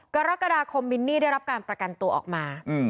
กรกฎาคมมินนี่ได้รับการประกันตัวออกมา